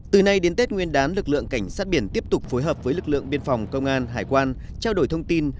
từ nay đến tết nguyên đán lực lượng cảnh sát biển tiếp tục phối hợp với lực lượng biên phòng công an hải quan trao đổi thông tin